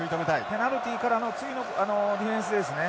ペナルティからの次のディフェンスですね。